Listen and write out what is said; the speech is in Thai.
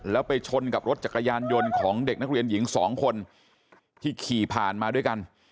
แล้วไปชนกับรถจักรยานยนต์ของเด็กนักเรียนหญิงสองคนที่ขี่ผ่านมาด้วยกัน